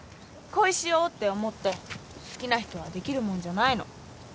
恋しようって思って好きな人はできるもんじゃないの。